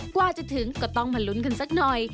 กว่าจะถึงก็ต้องมาลุ้นกันสักหน่อย